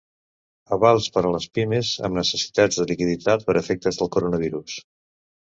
Avals per a les pimes amb necessitats de liquiditat pels efectes del coronavirus.